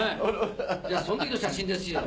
じゃあその時の写真ですよ